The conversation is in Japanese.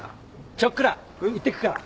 ちょっくら行ってくるから。